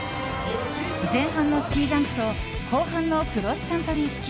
前半のスキージャンプと後半のクロスカントリー